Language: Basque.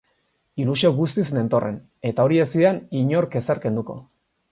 Ilusio guztiz nentorren eta hori ez zidan inork ez ezerk kenduko.